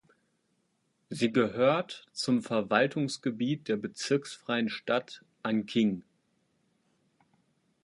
Sie gehört zum Verwaltungsgebiet der bezirksfreien Stadt Anqing.